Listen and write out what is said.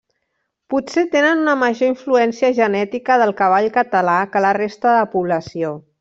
Potser tenen una major influència genètica del cavall català que la resta de població.